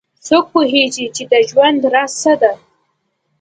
څوک پوهیږي چې د ژوند راز څه ده